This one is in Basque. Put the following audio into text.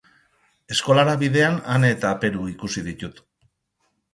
Eskolara bidean Ane eta Peru ikusi ditut.